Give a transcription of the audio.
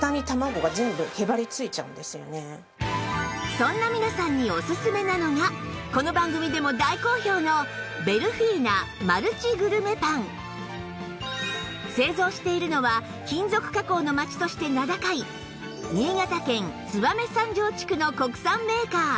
そんな皆さんにおすすめなのがこの番組でも大好評の製造しているのは金属加工の町として名高い新潟県燕三条地区の国産メーカー